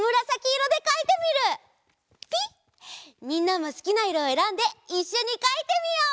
みんなもすきないろをえらんでいっしょにかいてみよう！